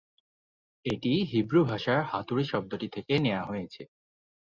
এটি হিব্রু ভাষার "হাতুড়ি" শব্দটি থেকে নেওয়া হয়েছে।